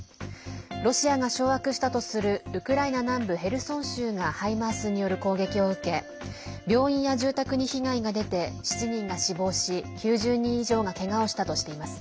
ロシアが掌握したとするウクライナ南部ヘルソン州が「ハイマース」による攻撃を受け病院や住宅に被害が出て７人が死亡し、９０人以上がけがをしたとしています。